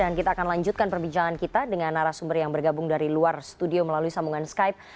dan kita akan lanjutkan perbincangan kita dengan arah sumber yang bergabung dari luar studio melalui sambungan skype